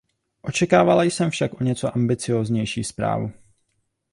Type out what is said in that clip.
Očekávala jsem však o něco ambicióznější zprávu.